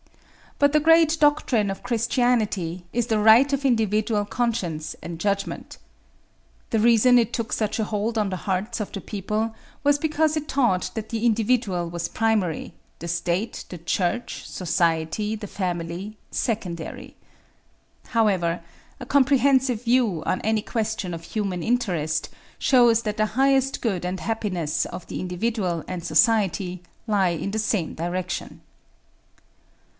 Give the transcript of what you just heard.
But the great doctrine of Christianity is the right of individual conscience and judgment. The reason it took such a hold on the hearts of the people was because it taught that the individual was primary; the State, the Church, society, the family, secondary. However, a comprehensive view of any question of human interest, shows that the highest good and happiness of the individual and society lie in the same direction.